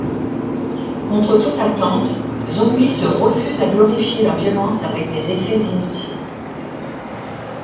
Contre toute attente, Zombie se refuse à glorifier la violence avec des effets inutiles.